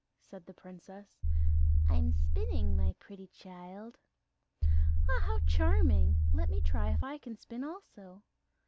said the princess. "I'm spinning, my pretty child." "Ah, how charming! Let me try if I can spin also."